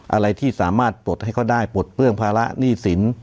อะไรที่สามารถปลดให้เขาได้ปลดเปื้องภาระหนี้สิน